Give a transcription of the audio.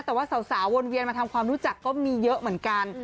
แต่ว่าสาววนเวียนมาทำความรู้จักก็มีเยอะเหมือนกัน